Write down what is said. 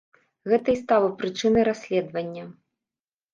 Гэта і стала прычынай расследавання.